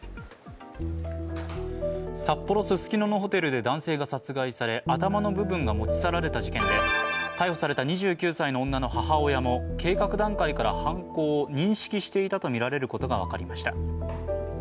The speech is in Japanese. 札幌・ススキノのホテルで男性が殺害され頭の部分が持ち去られた事件で逮捕された２９歳の女の母親も計画段階から犯行を認識していたとみられることが分かりました。